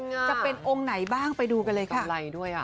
จะเป็นองค์ไหนบ้างไปดูกันเลยค่ะ